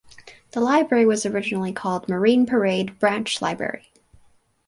The library was originally called Marine Parade Branch Library.